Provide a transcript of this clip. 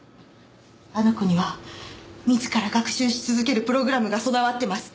あの子には自ら学習し続けるプログラムが備わってます。